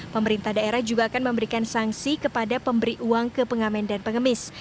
pemerintah daerah juga akan memberikan sanksi kepada pemberi uang ke pengamen dan pengemis